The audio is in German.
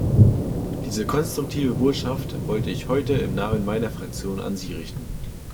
Diese konstruktive Botschaft wollte ich heute im Namen meiner Fraktion an Sie richten.